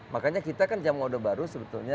makanya kita kan jam moda baru sebetulnya